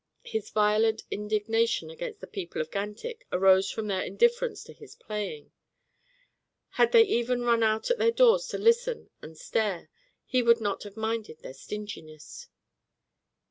His violent indignation against the people of Gantick arose from their indifference to his playing. Had they even run out at their doors to listen and stare, he would not have minded their stinginess.